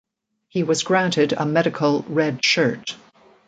He was granted a medical redshirt.